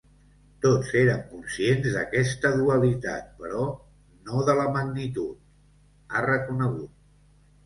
Tots érem conscients d’aquesta dualitat però no de la magnitud, ha reconegut.